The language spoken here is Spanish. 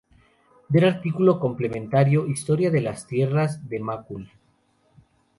Ver artículo complementario Historia de las Tierras de Macul.